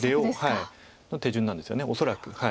の手順なんですよね恐らく。